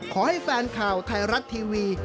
ขอให้แฟนค่าวไทยรัฐทีวี